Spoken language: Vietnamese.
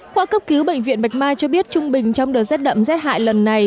khoa cấp cứu bệnh viện bạch mai cho biết trung bình trong đợt rét đậm rét hại lần này